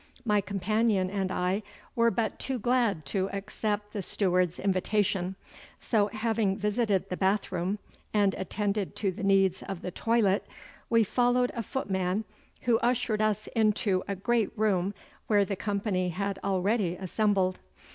My companion and I were but too glad to accept the steward's invitation, so having visited the bath room and attended to the needs of the toilet, we followed a footman, who ushered us into a great room where the company had already assembled.